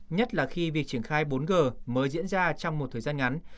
nhất là khi việc triển khai bốn g mới diễn ra trong một thời gian ngắn